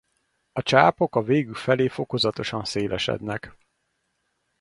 A csápok a végük felé fokozatosan szélesednek.